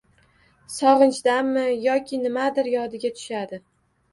Sog‘inchdanmi yoki nimadir yodiga tushadi.